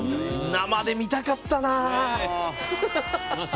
生で見たかったな。